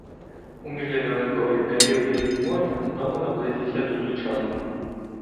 У міжльодовиковий період рівень моря знову наблизився до сучасного.